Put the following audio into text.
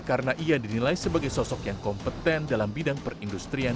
karena ia dinilai sebagai sosok yang kompeten dalam bidang perindustrian